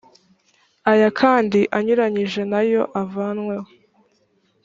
aya kandi anyuranyije na yo avanyweho